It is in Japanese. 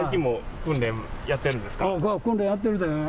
訓練やってるで。